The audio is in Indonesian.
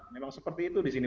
memang seperti itu di sini